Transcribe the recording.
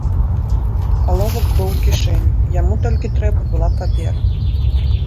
Аловак быў у кішэні, яму толькі трэба была папера.